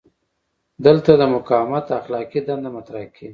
دلته د مقاومت اخلاقي دنده مطرح کیږي.